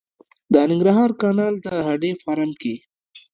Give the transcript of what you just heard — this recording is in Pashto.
د ننګرهار کانال د هډې فارم کې